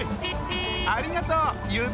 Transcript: ありがとう！